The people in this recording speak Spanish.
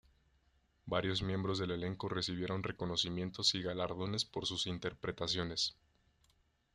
Varios miembros del elenco recibieron reconocimientos y galardones por sus interpretaciones.